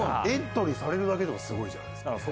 エントリーされるだけでもすごいじゃないですか。